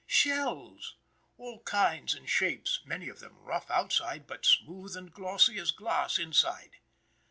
Shells! all kinds and shapes, many of them rough outside but smooth and glossy as glass inside.